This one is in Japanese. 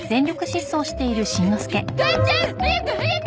母ちゃん早く早く！